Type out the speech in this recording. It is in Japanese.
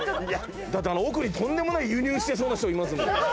だってあの奥にとんでもない輸入してそうな人いますもん！